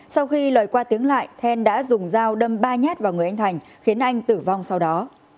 sau khi lời qua tiếng lại then đã dùng dao đâm ba nhát vào người anh thành khiến anh tử vong sau đó